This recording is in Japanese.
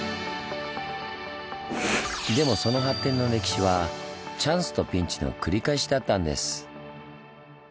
でもその発展の歴史はチャンスとピンチの繰り返しだったんです。